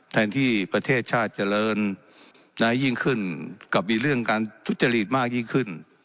แทนที่ประเทศชาติเจริญยิ่งขึ้นกับมีเรื่องการทุจริตมากยิ่งขึ้น